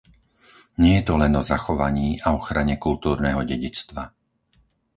Nie je to len o zachovaní a ochrane kultúrneho dedičstva.